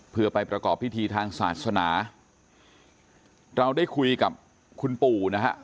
เพื่อไปประกอบพิธีทางศาสนาเราได้คุยกับคุณปู่นะฮะ